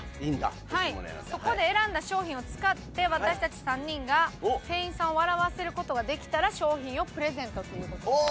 そこで選んだ商品を使って私たち３人が店員さんを笑わせる事ができたら商品をプレゼントという事です。